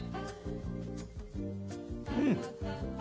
うん。